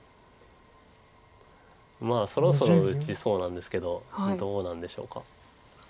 まあそろそろ打ちそうなんですけどどうなんでしょうか。